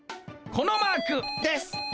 このマーク。です。